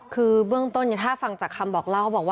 คือเบื้องต้นถ้าฟังจากคำบอกเล่าเขาบอกว่า